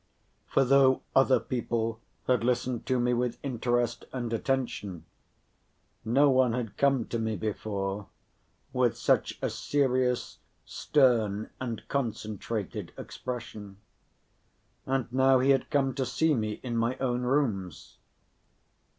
For though other people had listened to me with interest and attention, no one had come to me before with such a serious, stern and concentrated expression. And now he had come to see me in my own rooms.